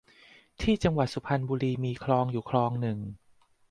ที่จังหวัดสุพรรณบุรีมีคลองอยู่คลองหนึ่ง